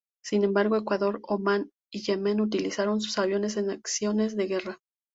Sin embargo, Ecuador, Omán y Yemen utilizaron sus aviones en acciones de guerra.